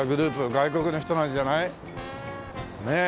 外国の人なんじゃない？ねえ。